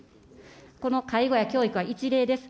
この介護や教育は一例です。